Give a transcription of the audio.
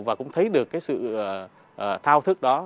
và cũng thấy được cái sự thao thức đó